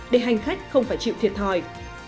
để hành khách không phải chịu thiệt thòi